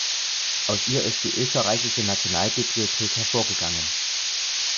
Aus ihr ist die österreichische Nationalbibliothek hervorgegangen.